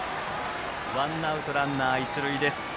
ワンアウトランナー、一塁です。